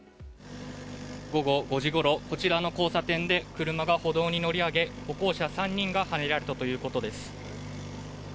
午後５時ごろこちらの交差点で車が歩道に乗り上げ歩行者３人がはねられたということです。